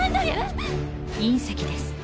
隕石です。